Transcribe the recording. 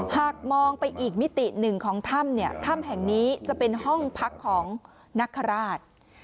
หากมองไปอีกมิติหนึ่งของถ้ำเนี่ยถ้ำแห่งนี้จะเป็นห้องพักของนคราช